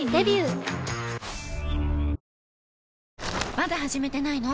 まだ始めてないの？